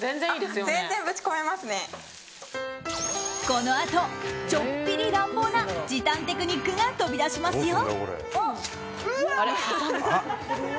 このあと、ちょっぴり乱暴な時短テクニックが飛び出しますよ！